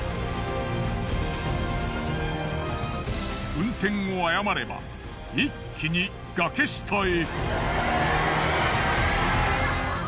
運転を誤れば一気に崖下へ。